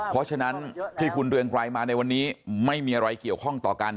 เพราะฉะนั้นที่คุณเรืองไกรมาในวันนี้ไม่มีอะไรเกี่ยวข้องต่อกัน